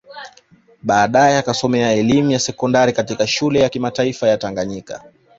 Baadae akasomea elimu ya sekondari katika Shule ya Kimataifa ya Tanganyika